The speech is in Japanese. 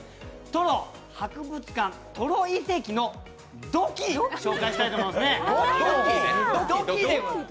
登呂博物館、登呂遺跡の土器、紹介したいと思います。